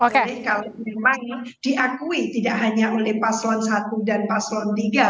tapi kalau memang diakui tidak hanya oleh paslon satu dan paslon tiga